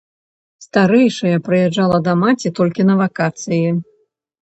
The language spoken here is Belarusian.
Старэйшая прыязджала да маці толькі на вакацыі.